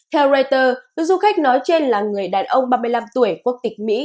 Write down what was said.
theo reuters du khách nói trên là người đàn ông ba mươi năm tuổi quốc tịch mỹ